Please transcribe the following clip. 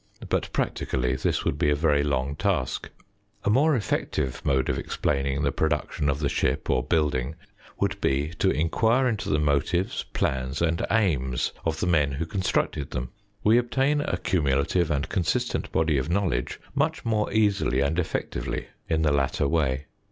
But practically this would be a very long task. A more effective mode of explaining the production of the ship or building would be to enquire into the motives, plans, and aims of the men who constructed them. We obtain a cumulative and consistent body of knowledge much more easily and effectively in the latter way.